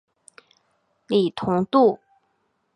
李同度。